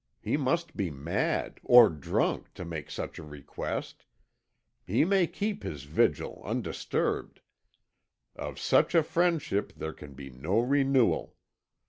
He must be mad, or drunk, to make such a request. He may keep his vigil, undisturbed. Of such a friendship there can be no renewal.